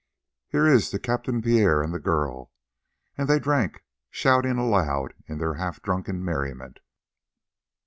"Here is to Captain Pierre and the girl." And they drank, shouting aloud in their half drunken merriment.